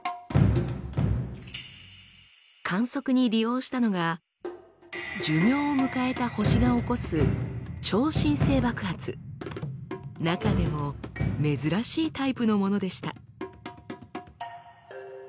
観測に利用したのが寿命を迎えた星が起こす中でも珍しいタイプのものでした。